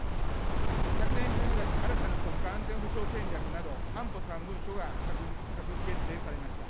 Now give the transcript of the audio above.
昨年１２月、新たな国家安全保障戦略など、安保３文書が閣議決定されました。